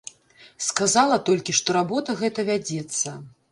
Сказала толькі, што работа гэта вядзецца.